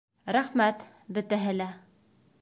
Рәхмәт, бөтәһе лә..